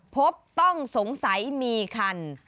ต้องสงสัยมีคัน